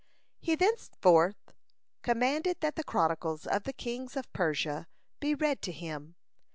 (165) He therefore commanded that the chronicles of the kings of Persia be read to him.